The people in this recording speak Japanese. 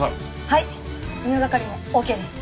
はい犬係もオーケーです。